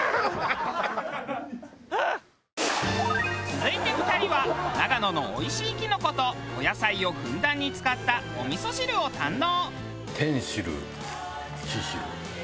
続いて２人は長野のおいしいキノコとお野菜をふんだんに使ったお味噌汁を堪能。